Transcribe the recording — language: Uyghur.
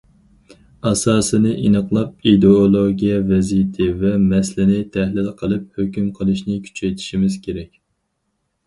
ئاساسىنى ئېنىقلاپ، ئىدېئولوگىيە ۋەزىيىتى ۋە مەسىلىنى تەھلىل قىلىپ ھۆكۈم قىلىشنى كۈچەيتىشىمىز كېرەك.